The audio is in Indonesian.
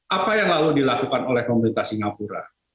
apa yang lalu dilakukan oleh pemerintah singapura